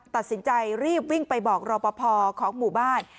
ตัดสินใจรีบวิ่งไปบอกรอปภของหมู่บ้าน